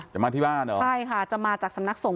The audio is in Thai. จะมาที่บ้านเหรอใช่ค่ะจะมาจากสำนักสงฆ